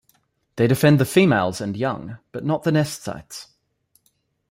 They defend the females and young but not the nest sites.